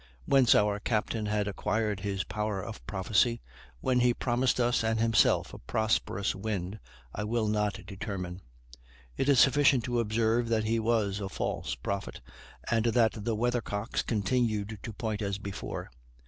Whence our captain had acquired his power of prophecy, when he promised us and himself a prosperous wind, I will not determine; it is sufficient to observe that he was a false prophet, and that the weathercocks continued to point as before.